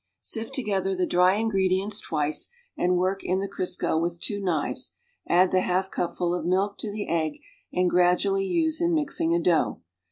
Sift together the dry ingredients twice and work in the Crisco with two kniyes; add the half cupful of ndlk to the egg and gradually use in mixing a dough.